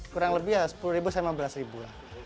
kurang lebih sepuluh ribu sampai lima belas ribu